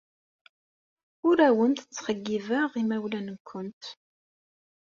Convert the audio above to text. Ur awent-ttxeyyibeɣ imawlan-nwent.